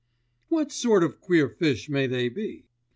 'What sort of queer fish may they be?